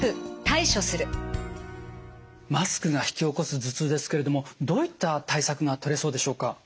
マスクが引き起こす頭痛ですけれどもどういった対策がとれそうでしょうか？